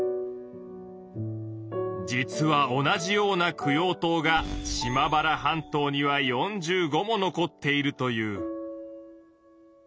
実は同じような供養塔が島原半島には４５も残っているという。